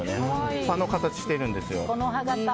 葉っぱの形をしているんですよ。